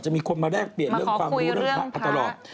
มีคนมาแลกเปลี่ยนเรื่องความรู้เรื่องพระมาตลอด